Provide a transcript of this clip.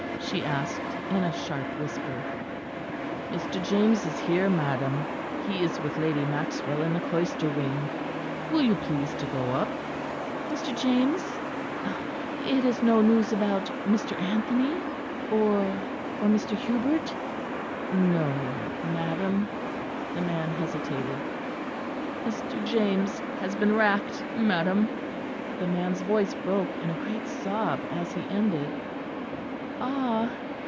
she asked in a sharp whisper. "Mr. James is here, madam; he is with Lady Maxwell in the cloister wing. Will you please to go up?" "Mr. James! It is no news about Mr. Anthony or or Mr. Hubert!" "No, madam." The man hesitated. "Mr. James has been racked, madam." The man's voice broke in a great sob as he ended. "Ah!"